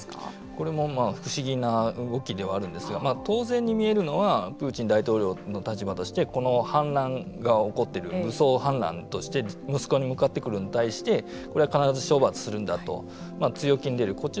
これも不思議な動きではあるんですが当然に見えるのはプーチン大統領の立場としてこの反乱が起こっている武装反乱としてモスクワに向かってくるのに対してこれは必ず処罰するんだと強気に出る。